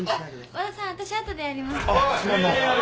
和田さんわたし後でやります。